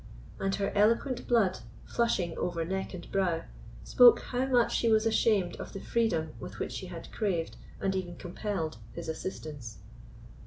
and her eloquent blood, flushing over neck and brow, spoke how much she was ashamed of the freedom with which she had craved, and even compelled, his assistance.